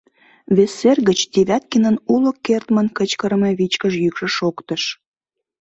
Вес сер гыч Девяткинын уло кертмын кычкырыме вичкыж йӱкшӧ шоктыш: